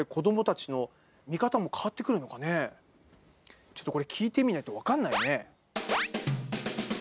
ちょっとこれ、聞いてみないと分かんないね。